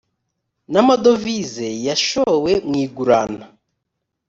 n amadovize yashowe mu igurana